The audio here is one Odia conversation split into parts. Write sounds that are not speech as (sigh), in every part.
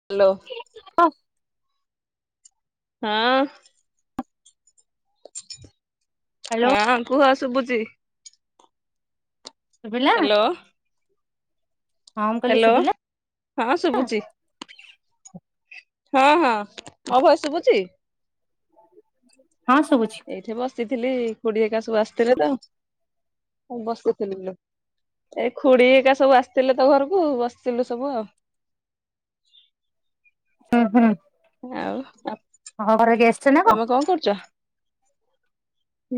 (inaudible) ହଁ। ହୁଁ। ହ୍ୟାଲୋ ହଁ କୁହ ଶୁଭୁଛି। ଶୁଭିଲା? ହ୍ୟାଲୋ ହଁ ମୁଁ କହିଲି ହ୍ୟାଲୋ ଶୁଭିଲା ହଁ ଶୁଭୁଛି। ହଁ ହଁ ମୋ ଭଏସ ଶୁଭୁଛି? ହଁ ଶୁଭୁଛି। ଏଇଠି ବସିଥିଲି ଖୁଡି ହେରିକା ସବୁ ଆସିଥିଲେ ତ ମୁଁ ବସିଥିଲି। (unintelligible) ଏ ଖୁଡି ହେରିକା ସବୁ ଆସିଥିଲେ ତ ଘରକୁ ବସିଥିଲୁ ସବୁ ଆଉ। ହୁଁ ହୁଁ। ଆଉ ଆପ୍ ହଁ ଘରେ ଗେଷ୍ଟ ନା ତମେ କଣ କରୁଛ?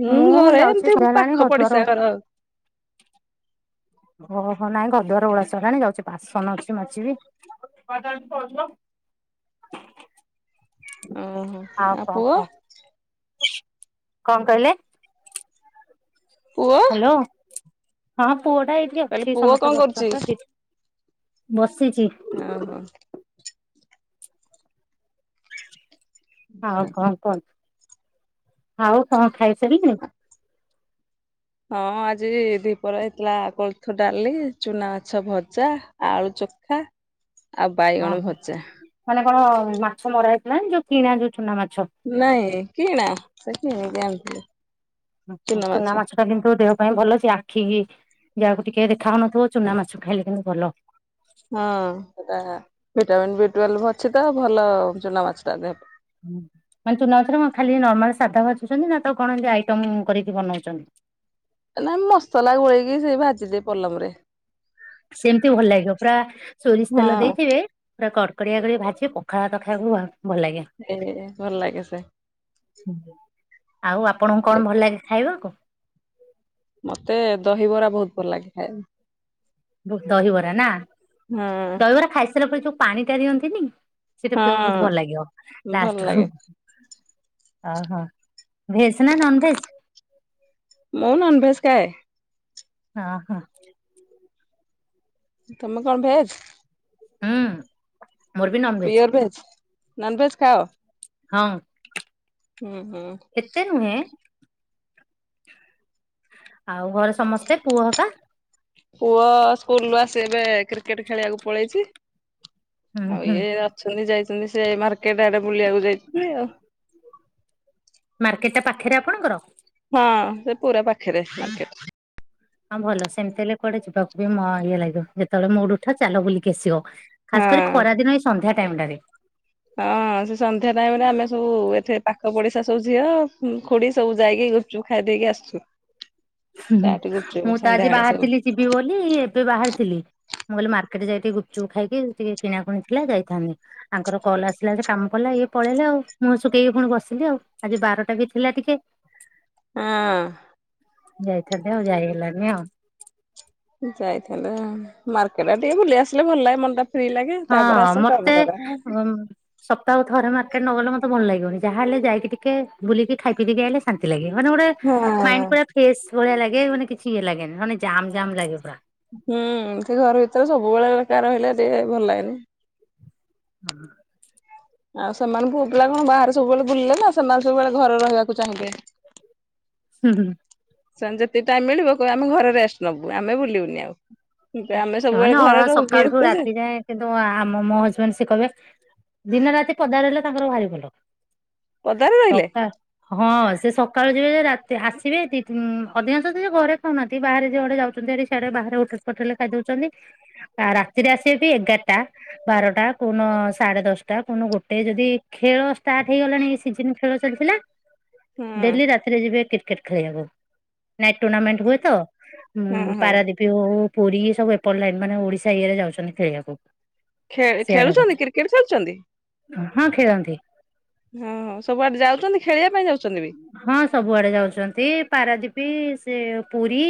ହଁ ମୁଁ ଘରେ ଯାଉଛି ଏମତି ସନ୍ଧ୍ୟା ହେଲାଣି ପାଖ ଘରଦ୍ୱାର ପଡିଶା ଘର ଆଉ। ଓ ହୋ ନାଇଁ ଘରଦୁଆର ଓଳା ସରିଲାଣି ଯାଉଛି ବାସନ ଅଛି ମାଜିବି। (unintelligible) ଓହୋ ଆଉ କଣ ପୁଅ କହ? ପୁଅ ହ୍ୟାଲୋ, ହଁ ପୁଅ ଟା ଏଇଠି କହିଲି ଅଛି ପୁଅ କଣ ସମସ୍ତେ କରୁଛି? ବସିଛନ୍ତି ତ ସେଠ୍ ବସିଛି। ଆଁ ହଁ। ଆଉ କଣ କୁହନ୍ତୁ? ଆଉ କଣ ଖାଇ ସାରିଲେ? (inaudible) ହଁ ଆଜି ଦିପ୍ରହରେ ହେଇଥିଲା କୋଳଥ ଡାଲି, ଚୁନା ମାଛ ଭଜା ଆଳୁ ଚକଟା ଆଉ ହଁ ବାଇଗଣ ଭଜା। ମାନେ କଣ ମାଛ ମରା ହେଇଥିଲା ନା ଯୋଉ କିଣା ଯୋଉ ଚୁନା ମାଛ? ନାଇଁ କିଣା ସେ କିଣିକି ଆଣିଥିଲେ। ହୁଁ ହୁଁ ଚୁନା ମାଛ ତ କିନ୍ତୁ ଦେହ ପାଇଁ ଭଲ ସେ ଆଖିକି ଯାହାକୁ ଟିକେ ଦେଖାହଉନଥିବ ଚୁନା ମାଛ ଖାଇଲେ କିନ୍ତୁ ଭଲ। ହଁ, ଟା ଭିଟାମିନ୍, ବି ଟୁଏଲ୍ଭ ଅଛି ତ ଭଲ ଚୁନା ମାଛଟା ଦେହ ପାଇଁ। ହୁଁ, ମାନେ ଚୁନା ମାଛରେ କଣ ଖାଲି ନର୍ମାଲ ସାଧା ଭାଜୁଛନ୍ତି ନା ତାକୁ କଣ ଏମିତି ଆଇଟମ କରିକି ବନଉଛନ୍ତି? ନା ମସଲା ଗୋଳେଇକି ସେଇ ଭାଜିଦିଏ ପଲମରେ। ସେମତି ଭଲ ଲାଗିବ ପୁରା ସୋରିଷ ହଁ ତେଲ ଦେଇଥିବେ ପୁରା କଡ଼କଡିଆ କରି ଭାଜିବେ ପଖାଳ ଭାତ ଖାଇବାକୁ ଆହୁରି ଏମିତି ଭଲ ଲାଗେ ସେ। ହୁଁ, ଆଉ ଆପଣଙ୍କୁ କଣ ସେ ଭଲ ଲାଗେ ଖାଇବାକୁ? ମତେ ଦହିବରା ବହୁତ ଭଲ ଲାଗେ ଖାଇବା ପାଇଁ। ଦହିବରା ନା, ଦହିବରା ଖାଇସାରିଲା ପରେ ଯୋଉ ପାଣିଟା ଦିଅନ୍ତିନି ସେଇଟା ପିଇବାକୁ ବହୁତ ହଁ ଭଲ ଲାଗିବ ହଁ ଭଲ ଲାଷ୍ଟକୁ। ଲାଗେ ଓ ହୋ ଭେଜ୍ ନା ନନଭେଜ୍? ମୁଁ ନନଭେଜ୍ ଖାଏ। ଅ ହ। ତମେ କଣ ଭେଜ୍? ହୁଁ। ମୋର ବି ନନଭେଜ ପିଓର ଭେଜ୍? ନନଭେଜ ଖାଅ? ହଁ, ହୁଁ ହୁଁ ଏତେ ନୁହେଁ। ଆଉ ଘରେ ସମସ୍ତେ ପୁଅ ହରିକା। ପୁଅ ସ୍କୁଲରୁ ଆସି ଏବେ କ୍ରିକେଟ ଖେଳିବାକୁ ପଳେଇଛି। ହୁଁ ଆଉ ହୁଁ ଇଏ ଅଛନ୍ତି ଯାଇଛନ୍ତି ସେ ମାର୍କେଟଆଡେ ବୁଲିବାକୁ ଯାଇଛନ୍ତି ଆଉ। ମାର୍କେଟଟା ପାଖରେ ଆପଣଙ୍କର? ହଁ ସେ ପୁରା ପାଖରେ ମାର୍କେଟଟା। ହଁ ଭଲ ସେମିତି ହେଲେ କୁଆଡେ ଯିବାକୁ ବି ମ ଇଏ ଲାଗିବ ଯେତେବେଳେ ମୁଡୁ ଉଠିଲା ଚାଲ ବୁଲିକି ଆସିିବ। ହଁ। ଖାସ୍ କରି ଖରା ଦିନ ଏଇ ସନ୍ଧ୍ୟା ଟାଇମଟାରେ। ହଁ ସେ ସନ୍ଧ୍ୟା ଟାଇମରେ ଆମେ ସବୁ ଏଠୀ ପାଖ ପଡିଶା ସବୁ ଝିଅ, ଖୁଡି ସବୁ ଯାଇକି ତୁଖାଇ ଦେଇକି ଆସିଛୁ। ମୁଁ ତ ଆଜି ସବୁ ବାହାରିଥିଲି ଯିବି ବୋଲି ଏବେ ବାହାରିଥିଲି। ମୁଁ କହିଲି ମାର୍କେଟ ଯାଇ ଟିକେ ଗୁପଚୁପ୍ ଖାଇିକି ଏମିତି ଟିକେ କିଣା କୁଣି ଥିଲା ଯାଇଥାନ୍ତି। ଆଙ୍କର କଲ୍ ଆସିଲା ଯେ କାମ ପଡ଼ିଲା ଇଏ ପଳେଇଲେ ଆଉ ମୁଁହ ସୁକେଇ ପୁଣି ବସିଲି ଆଉ। ଆଜି ବାରଟା ବି ଥିଲା ଟିକେ। ଆଁ। ଯାଇଥାନ୍ତେ ଆଉ ଯାଇ ହେଲାନି ଆଉ। ଯାଇଥିଲେ ମାର୍କେଟା ଟିକେ ବୁଲି ଆସିଲେ ଭଲ ଲାଗେ ମନ ଟା ଫ୍ରି ଲାଗେ। ହଁ ତାପରେ ହଁ ଆସ କାମ ମତେ କର। ଉମ୍ ସପ୍ତାହକୁ ଥରେ ମାର୍କେଟ ନ ଗଲେ ମତେ ଭଲ ଲାଗିବନି ଯାହା ହେଲେ ଯାଇକି ଟିକେ ବୁଲିକି ଖାଇ ପିକରି ଆଇଲେ। ଶାନ୍ତି ଲାଗେ ମାନେ ଗୋଟେ ହଁ ମାଇଣ୍ଡ ପୁରା ଫ୍ରେସ୍ ଭଳିଆ ଲାଗେ ମାନେ କିଛି ଇଏ ଲାଗେନି ମାନେ ଜାମ ଜମ୍ ଲାଗେ ପୁରା। ହୁଁ ସେଇ ଘର ଭିତରେ ସବୁବେଳେ ଏକା ରହିଲେ ଟିକେ ଭଲ ଲାଗେନି। ହୁଁ ହୁ। ଆଉ ସେମାନଙ୍କୁୁ ପୁଅ ପିଲା କଣ ବାହାରେ ସବୁବେଳେ ବୁଲିଲେ ନା ସେମାନେ ସବୁବେଳେ ଘରେ ରହିବାକୁ ଚାହିଁବେ। ହୁଁ ହୁଁ। ସେମାନଙ୍କୁ ଯେତିକି ଟାଇମ ମିଳିବ କହିବେ ଆମେ ଘରେରେଷ୍ଟ ନବୁ ଆମେ ବୁଲିବୁନି ଆଉ। ଆମେ ସେମାନେ ସବୁବେଳେ ଘରେ ଅ ରହୁ ସକାଳଠୁ ରାତି (unintelligible) ଯାଏଁ କିନ୍ତୁ ଆମ ମୋ ହଜବେଣ୍ଡ ସିଏ କହିବେ ଦିନ ରାତି ପଦାରହିଲେ ତାଙ୍କର ଭାରି ଭଲ। ପଦାରେ ରହିଲେ ସକା। ହଁ ସେ ସକାଳୁ ଯିବେ ରାତି ଆସିବେ ଅଧିକାଂଶ ସେ ଘରେ ଖାଉନାହାନ୍ତି ବାହାରେ ଯିଆଡେ ଯାଉଛନ୍ତି ଭାରି ଆଡେ ବାହାରେ ଉଠ ପଠେଇଲେ ଖାଇଦଉଛନ୍ତି ଆ ରାତିରେ ଆସିବେ ବି ଏଗାରଟା ବାରଟା କୁହନ ସାଢେ ଦଶଟା କୁହନ ଗୋଟେ ଯଦି ଖେଳ ଷ୍ଟାର୍ଟ ହେଇଗଲାଣି ଏ ସିଜିନ ଖେଳ ଚାଲିଥିଲା ହୁଁ ଡେଲି ରାତିରେ ଯିବେ କ୍ରିକେଟ ଖେଳିବାକୁ ନାଇଟ ଟୁର୍ଣ୍ଣାମେଣ୍ଟ ହୁଏ ତ। ଉଁ ହୁଁ ହୁଁ। ପାରାଦ୍ୱୀପୀ ହଉ ପୁରୀ ସବୁ ଏପଟ ଲାଇନ ମାନେ ଓଡିଶା ଇଏରେ ଯାଉଛନ୍ତି ଖେଳିବାକୁ। ଖେ ସିଆଡେ ଖେଳୁଛନ୍ତି କ୍ରିକେଟ ଖେଳୁଛନ୍ତି? ହଁ ଖେଳନ୍ତି ହଁ ସବୁଆଡେ ଯାଉଛନ୍ତି ଖେଳିବା ପାଇଁ ଯାଉଛନ୍ତି ବି ହଁ ସବୁଆଡେ ଯାଉଚନ୍ତି ପାରାଦୀପୀ ସେ ପୁରୀ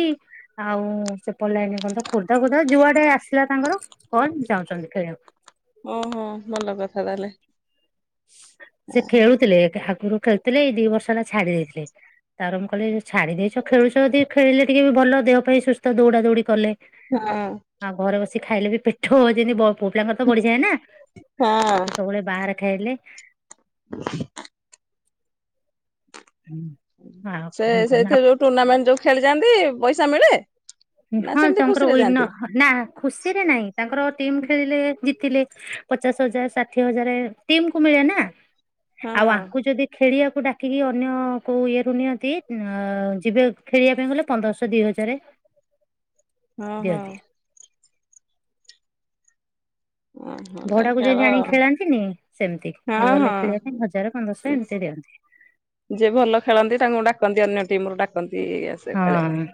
ଆଉ ସେପଟ ଲାଇନ କନ୍ତ ଖୋର୍ଦ୍ଧା ଫୋର୍ଦ୍ଧା ଯୁଆଟେ ଆସିଲା ତାଙ୍କର କଣ ଯାଉଁଛନ୍ତି ଖେଳିବାକୁ। ଓ ହୋ ଭଲ କଥା ତାହେଲେ। ସେ ଖେଳୁଥିଲେ ଆଗରୁ ଖେଳୁଥିଲେ ଏଇ ଦି ବର୍ଷ ହେଲା ଛାଡି ଦେଇଥିଲେ। ତାପରେ ମୁଁ କହିଲି ଛାଡି ଦେଇଛ ଖେଳୁଛ ଯି ଖେଳିଲେ ଟିକେ ବି ଭଲ ଦେହ ପାଇଁ ସୁସ୍ଥ ଦୌଡା ଦୌଡ଼ି କଲେ। ହଁ ହଁ। ଆଉ ଘରେ ବସି ଖାଇଲେ ବି ପେଟ ଯେମିତି ପୁ ପିଲାଙ୍କର ତ ବଢିଯାଏ ନା ସେ ହଁ ସବୁବେଳେ ବାହାରେ ଖାଇଲେ। ହୁଁ। ସେ ସେଇଥି ଯୋଉ ଟୁର୍ଣ୍ଣାମେଣ୍ଟ ଯୋଉ ଖେଳି ଯାଆନ୍ତି ପଇସା ମିଳେ? ନା ହଁ ସେମିତି ଖୁସିରେ ତାଙ୍କରୱ ଯାଆନ୍ତି? ନା ଖୁସିରେ ନାଇଁ ତାଙ୍କର ଟିମ୍ ଖେଳିଲେ ଜିତିଲେ। ପଚାଶ ହଜାରେ ଷାଠିଏ ହଜାରେ ଟିମକୁ ମିଳେନା ହଁ ଆଉ ଆଙ୍କୁ ଯଦି ଖେଳିବାକୁ ଡାକିକି ଅନ୍ୟ କୋଉ ଇଏରୁୁ ନିଅନ୍ତି ଅଁ ଯିବେ ଖେଳିବା ପାଇଁ ଗଲେ ପନ୍ଦରଶହ ଦିଇ ହଜାରେ ହଁ ହଁ। ଓହୋ ତା ଭଡ଼ାକୁ ଖେଳ ଯେଦି ଆଣିକି ଖେଳାନ୍ତିନି ସେମିତି ହଁ ଇଏଗଲେ ଖେଳିବା ପାଇଁ ହଁ। ହଜାରେ ପନ୍ଦରଶହ ଏମିତି ଦିଅନ୍ତି। ଯିଏ ଭଲ ଖେଳନ୍ତି ତାଙ୍କୁ ଡାକନ୍ତି ଅନ୍ୟ ଟିମରୁ ଡାକନ୍ତି ଆ ହଁ।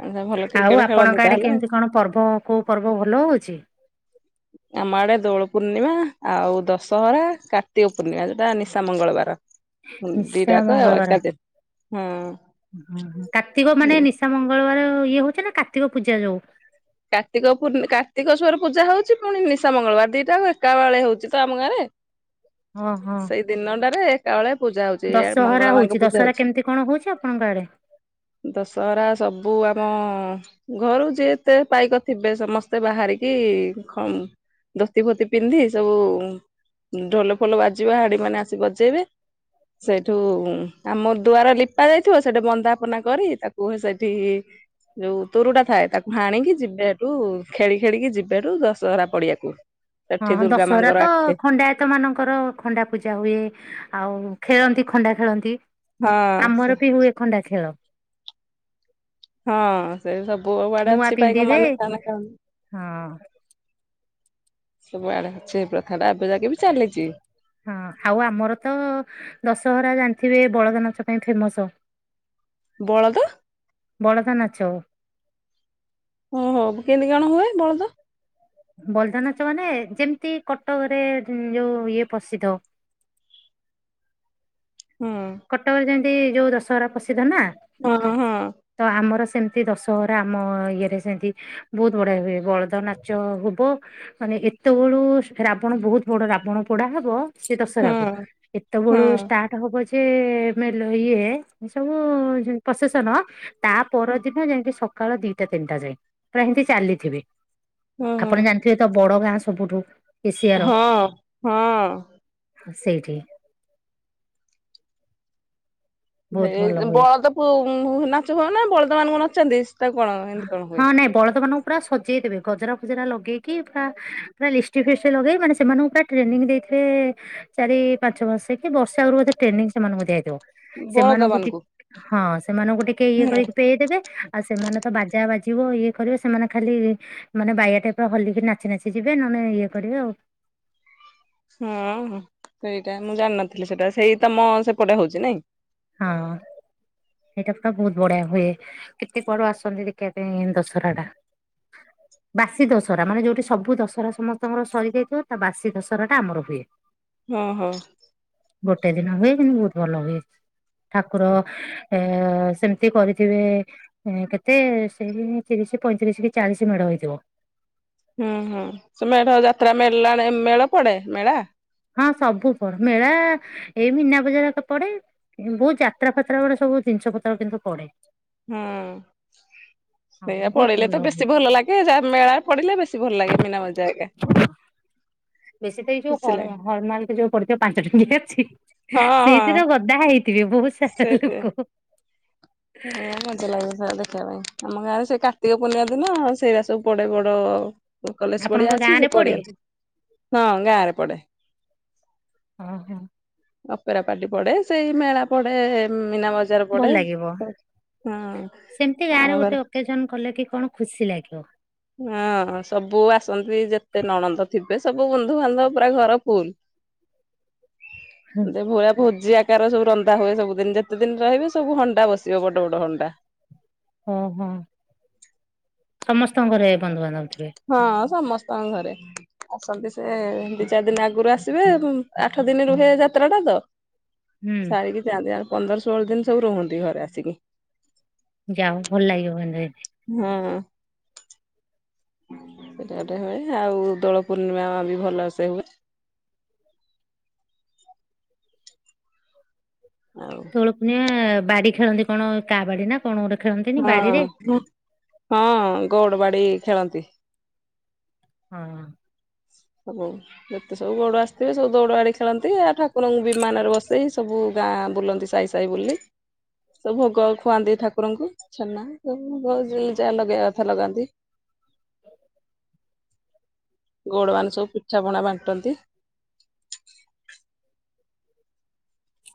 ଆଚ୍ଛା ଭଲ ଆଉ କ୍ରିକେଟ ଖେଳନ୍ତି ଆପଣଙ୍କ ଆଡ଼େ ତାହେଲେ। କେମିତି କଣ ପର୍ବ କୋଉ ପର୍ବ ଭଲ ହଉଚି? ଆମ ଆଡ଼େ ଦୋଳ ପୂର୍ଣ୍ଣିମା ଆଉ ଦଶହରା କାର୍ତ୍ତିକ ପୂର୍ଣ୍ଣିମା ଯୋଉଟା ନିଶା ମଙ୍ଗଳବାର। ନିଶା ଦିଟାକଁ ଏକାଦିନ୍ ହୁଁ। ହୁଁ ହଁ କାର୍ତ୍ତିକ ମାନେ ନିଶା ମଙ୍ଗଳବାର ଇଏ ହଉଚିନା କାର୍ତ୍ତିକ ପୂଜା ଯୋଉ? କାର୍ତ୍ତିକ ପୂର୍ଣ୍ଣି କାର୍ତ୍ତିସ୍ବର ପୂଜା ହଉଚି ପୁଣି ନିଶା ମଙ୍ଗଳବାର ଦିଟା ଆଙ୍କ ଏକା ବେଳେ ହଉଚିତ ଆମ ଗାଁରେ। ହଁ ହଁ। ସେଇ ଦିନଟାରେ ଏକାବେଳେ ପୂଜା ହଉଚି ଏଆରେ ଦଶହରା ମଙ୍ଗଳା ହଉଛି ମାଙ୍କ ପୂଜା ଦଶହରା ହଉଛି। କେମିତି କଣ ହଉଛି ଆପଣଙ୍କ ଆଡେ? ଦଶହରା ସବୁ ଆମ ଘରୁ ଯେ ଏତେ ପାଇକ ଥିବେ ସମସ୍ତେ ବାହାରିକି ଖମ୍ ଧୋତି ଫୋତି ପିନ୍ଧି ସବୁ ଢୋଲ ଫଲ ବାଜିବ ହାଡ଼ି ମାନେ ଆସି ବଜେଇବେ ସେଇଠୁ ଆମ ଦୁଆର ଲିପା ଯାଇଥିବ ସେଇଠି ବନ୍ଦାପନା କରି ତାକୁୁ ସେଇଠି ଯଉ ତରୁଡା ଥାଏ ତାକୁ କାହିଁକି ଯିବେ ହେଠୁ ଖେଳି ଖେଳିକି ଯିବାଠୁ ଦଶହରା ପଡ଼ିଆକୁ। ହଁ ଦଶହରାତ ଖଣ୍ଡା ୟାତ ମାନଙ୍କର ଖଣ୍ଡା ପୂଜା ହୁଏ ଆଉ ଖେଳନ୍ତି ଖଣ୍ଡା ଖେଳନ୍ତି। ହଁ ଆମରବି ହୁଏ ଖଣ୍ଡା ଖେଳ। ହଁ ସେସବୁ କୁଆଡ଼େ ନୂଆ ଅଛି ପାଇକ ପିନ୍ଧିବେ ମାନେ (unintelligible) ହଁ ସବୁଆଡ଼େ ଅଛି ପ୍ରଥାଟା ଆବେ ଯାକେବି ଚାଲିଚି। ହଁ ଆଉ ଆମରତ ଦଶହରା ଜାଣିଥିବେ ବଳଦ ନାଚ ପାଇଁ ଫେମସ୍। (inaudible) ବଳଦ ବଳଦ ନାଚ। ଓହୋ କେମିତି କଣ ହୁଏ ବଳଦ? ବଲଦ ନାଚ ମାନେ ଯେମିତି କଟକରେ ଯୋଉ ଇଏ ପ୍ରସିଦ୍ଧ ହଁ। କଟକରେ ଯେମତି ଯୋଉ ଦଶହରା ପ୍ରସିଦ୍ଧ ନା। ହଁ ହଁ। ତଆମର ସେମିତି ଦଶହରା ଆମ ଇଏରେ ସେମିତି ବହୁତ୍ ବଢ଼ିଆ ହୁଏ ବଳଦ ନାଚ ହୁବ ମାନେ ଏତେବେଳୁ ରାବଣ ବହୁତ୍ ବଡ଼ ରାବଣ ପୋଡ଼ା ହବ। ସେଇ ଦଶହରାକୁ ହଁ ଏତେବେଳୁ ହଁ ଷ୍ଟାର୍ଟ ହବ ଇଏ ମେଲ ଇଏ ସବୁ ପ୍ରଶେସନ ତା ପରଦିନ ଯେମିତି ସକାଳ ଦିଟା ତିନିଟା ଯାଏଁ ପୁରା ହେମିତି ଚାଲିଥିବେ। ହଁ ଆପଣ ଜାଣିଥିବେତ ବଡ଼ ଗାଁ ସବୁଠୁ ଏସିଆର ହଁ ହଁ। ହ ସେଇଠି। ବହୁତ ଭଲ ସେଇ ହୁଏ। ବଳଦ ପ ନାଚ ହୁଅନା ବଳଦ ମାନଙ୍କୁ ନଚାନ୍ତି ତାକୁ କଣ ଏମିତି କଣ ହଁ ହୁଏ। ନାଇଁ ବଳଦ ମାନଙ୍କୁ ପୁରା ସଜେଇ ଦେବେ ଗଜରା ଫଜରା ଲଗେଇକି ପୁରା ପୁରା ଲିଷ୍ଟଟି ଫିଷ୍ଟି ଲଗେଇ ମାନେ ସେମାନଙ୍କୁ ପୁରା ଟ୍ରେନିଂ ଦେଇଥିବେ ଚାରି ପାଞ୍ଚ ମାସ କି ବର୍ଷେ ଆଗୁରୁ ବୋଧେ ଟ୍ରେନିଂ ସେମାନଙ୍କୁ ଦିଆ ହେଇଥିବ। ବଳଦ ସେମାନଙ୍କୁ ଟି ମାନଙ୍କୁ ହଁ ସେମାନଙ୍କୁ ଟିକେ ଇଏ କରିକି ପେଇ ଦେବେ ଆଉ ସେମାନେ ତ ବାଜା ବାଜିବ ଇଏ କରିବ ସେମାନେ ଖାଲି। ମାନେ ବାଇଆ ଟାଇପ ର ହଲିକି ନାଚି ନାଚି ଯିବେ ନହେଲେ ଇଏ କରିବେ ଆଉ। ହଁ ହଁ ସେଇଟା ମୁଁ ଜାଣିନଥିଲି ସେଟା ସେଇ ତମ ସେପଟେ ହଉଛି ନାଇଁ। ହଁ। ଏଇଟା ପୁରା ବହୁତ ବଢିଆ ହୁଏ କେତେ କୁଆଡୁ ଆସନ୍ତି ଦେଖିବା ପାଇଁ ଦଶରା ଟା। ହ ବାସି ଦଶରା ମାନେ ଯୋଉଠି ସବୁ ଦଶରା ସମସ୍ତଙ୍କର ସରି ଯାଇଥିବ ତା ବାସି ଦଶହରା ଟା ଆମର ହୁଏ। ହଁ ହଁ। ଗୋଟେ ଦିନ ହୁଏ କିନ୍ତୁ ବହୁତ ଭଲ ହୁଏ। ଠାକୁର ଏ ସେମିତି କରିଥିବେ। କେତେ ସେଇ ତିରିଶି ପଇଁତିରିଶି କି ଚାଳିଶି ମେଢ ହେଇଥିବ। ହୁଁ ହୁଁ ସେ ମେଢ ଯାତ୍ରା (unintelligible) ମେଳ ପଡେ ମେଳା। ହଁ ସବୁ ପଡ ମେଳା ଏଇ ମିନା ବଜାର ହେକା ପଡେ। ବହୁତ ଯାତ୍ରା ଫାତ୍ରା ଗୋଟେ ସବୁ ଜିନିଷ ପତ୍ର କିନ୍ତୁ ପଡେ। ହୁଁ ହଁ ସେଇଆ ବହୁତ ପଡିଲେ ଭଲ ତ ହୁଏ। ବେଶୀ ଭଲ ଲାଗେ ଯାହା ମେଳା ପଡିଲେ ବେଶୀ ଭଲ ଲାଗେ। ମୀନା ବଜାର ହେରିକା। ବେଶୀ ତ ଏଇ ଯୋଉ ଖୁସି ହର ଲାଗେ ହରମାଲକ ଯୋଉ। ପଡିଥିବ ପାଞ୍ଚ (unintelligible) ଅଛି ହଁ ହଁ। ସେଇଥିରେ ଗଦା ହେଇଥିବେ ବହୁତ ସାରା ଲୋକ। ହେୟା ମଜା ଲାଗୁ (unintelligible) ଦେଖିବା ପାଇଁ ଆମ ଗାଁରେ ସେ କାର୍ତ୍ତିକ ପୂର୍ଣ୍ଣିମା ଦିନ ଆଉ ସେଇରା ସବୁ ପଡେ ବଡ। କଲେଜ ଆପଣଙ୍କ ପଡିଆ ଗାଁ ଅଛି ରେ ସେ ପଡେ? ପଡିଆ ହଁ ଗାଁରେ ପଡେ। ଓ ହ। ଅପେରାପାଟି ପଡେ ସେଇ ମେଳା ପଡେ ମୀନା ବଜାର ଭଲ ପଡେ। ଲାଗିବ। ହଁ ସେମିତି ଆମ ଗାଁରେ ଘରେ ଗୋଟେ ଅକେଜନ କଲେ କି କଣ ଖୁସି ଲାଗିବ। ହଁ ସବୁ ଆସନ୍ତି ଯେତେ ନଣନ୍ଦ ଥିବେ ସବୁ ବନ୍ଧୁବାନ୍ଧବ ପୁରା ଘର ଫୁଲ୍। (unintelligible) ଭୋଜି ଆ ଆକାର ସବୁ ରନ୍ଧା ହୁଏ ସବୁ ଦିନ ଯେତେ ଦିନ ରହିବେ ସବୁ ହଣ୍ଡା ବସିବ ବଡ ବଡ ହଣ୍ଡା। ଓହୋ ସମସ୍ତଙ୍କ ଘରେ ଏ ବନ୍ଧୁବାନ୍ଧବ ଥି ହଁ ସମସ୍ତଙ୍କ ଘରେ। ଆସନ୍ତି ସେ ଦି ଚାରି ଦିନ ଆଗରୁ ଆସିବେ ଆଠ ଦିନ ରୁହେ ଯାତ୍ରା ଟା ତ। ହୁଁ ସାରିକି ଯାଆନ୍ତି ଆଉ ପନ୍ଦର ଷୋହଳ ଦିନ ସବୁ ରୁହନ୍ତି ଘରେ ଆସିକି। ଯାଉ ଭଲ ଲାଗିବ (unintelligible) ହଁ। ସେଟା ଗୋଟେ ହୁଏ ଆଉ ଦୋଳ ପୂର୍ଣ୍ଣିମା ବି ଭଲ ସେ ହୁଏ। ଆଉ ଦୋଳ ପୁର୍ଣିମା ବାଡି ଖେଳନ୍ତି କଣ କା ବାଡି ନା କଣ ଗୋଟେ ଖେଳନ୍ତିନି ବାଡିରେ। ହଁ ହଁ ଗଉଡ ବାଡି ଖେଳନ୍ତି। ହଁ। ହବ। ଯେତେ ସବୁ ଗଉଡ ଆସିଥିବେ ସବୁ ଦୌଡ ବାଡି ଖେଳନ୍ତି ଆଉ ଠାକୁରଙ୍କୁ ବିମାନରେ ବସେଇ ସବୁ ଗାଁ ବୁଲନ୍ତି ସାଇ। ସାଇ ବୁଲି। ସବୁ ଭୋଗ ଖୁଆନ୍ତି ଠାକୁରଙ୍କୁ ଛେନା ସବୁ ଭ ଯାହା ଲଗେଇବା କଥା ଲଗାନ୍ତି। ଗୋଡ ମାନେ ସବୁ ପିଠା ପଣା ବାଣ୍ଟନ୍ତି।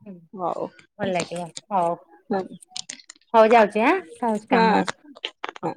ହୁଁ ହଉ ଭଲ ଲାଗିବ ହଉ ହଁ ହଉ ଯାଉଛି ଆଁ କାମ ଅଛି। ହଁ।